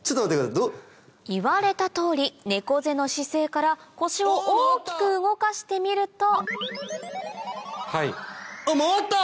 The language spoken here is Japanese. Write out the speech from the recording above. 言われた通り猫背の姿勢から腰を大きく動かしてみると回った！